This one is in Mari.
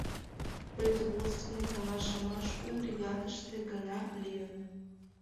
Производственный каҥашымаш кум бригадыште гына лийын.